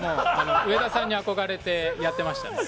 上田さんに憧れてやっていました。